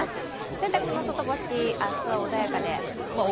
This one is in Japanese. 洗濯物、外干し、明日は穏やかで。